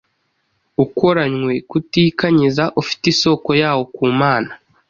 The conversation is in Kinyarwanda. ukoranywe kutikanyiza ufite isoko yawo ku Mana.